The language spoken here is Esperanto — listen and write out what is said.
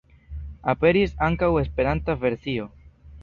Aperis ankaŭ esperanta versio.